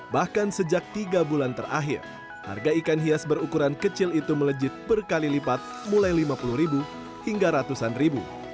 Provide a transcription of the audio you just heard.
bahkan sejak tiga bulan terakhir harga ikan hias berukuran kecil itu melejit berkali lipat mulai lima puluh ribu hingga ratusan ribu